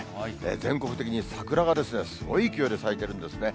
全国的に桜がすごい勢いで咲いてるんですね。